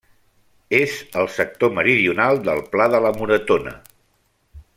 És al sector meridional del Pla de la Moretona.